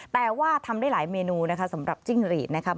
แต่ว่าทำได้หลายเมนูนะคะสำหรับจิ้งหรีดนะครับ